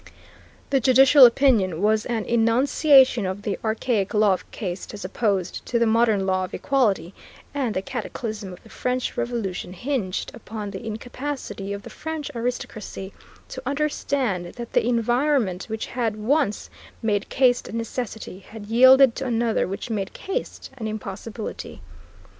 This judicial opinion was an enunciation of the archaic law of caste as opposed to the modern law of equality, and the cataclysm of the French Revolution hinged upon the incapacity of the French aristocracy to understand that the environment, which had once made caste a necessity, had yielded to another which made caste an impossibility.